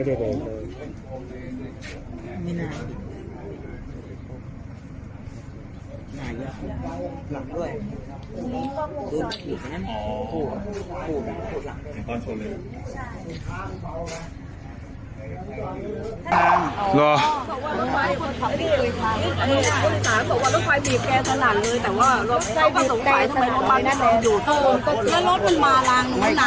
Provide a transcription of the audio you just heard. ที่นี่มีทั้งครั้งส่วนออกจากวันศาสตร์เพื่อทำงานในข้างล่าง